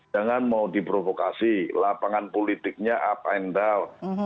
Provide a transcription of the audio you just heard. jangan mau diprovokasi lapangan politiknya up and down